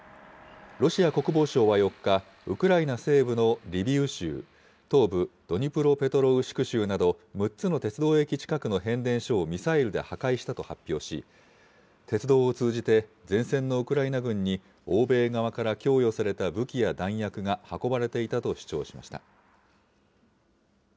ロシア国防省は４日、ウクライナ西部のリビウ州、東部ドニプロペトロウシク州など、６つの鉄道駅近くの変電所をミサイルで破壊したと発表し、鉄道を通じて、前線のウクライナ軍に、欧米側から供与された武器や弾薬が運ばれていたと主張しました。